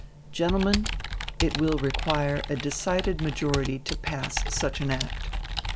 Gentlemen, it will require a decided majority to pass such an act.